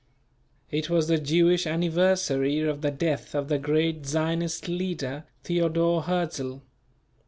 It was the Jewish anniversary of the death of the great Zionist leader, Theodore Hertzl.